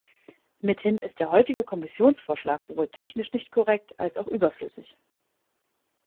Mithin ist der heutige Kommissionsvorschlag sowohl technisch nicht korrekt als auch überflüssig.